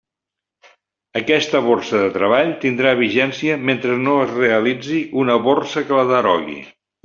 Aquesta borsa de treball tindrà vigència mentre no es realitzi una borsa que la derogui.